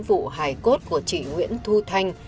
vụ hài cốt của chị nguyễn thu thanh